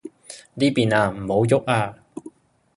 呢邊啊，唔好郁啊